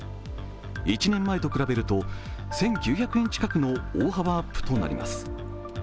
１年前と比べると１９００円近くの大幅アップとなります。